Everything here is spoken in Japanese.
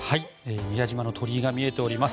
宮島の鳥居が見えております。